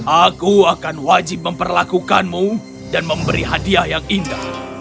aku akan wajib memperlakukanmu dan memberi hadiah yang indah